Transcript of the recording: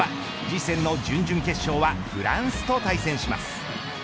次戦の準々決勝はフランスと対戦します。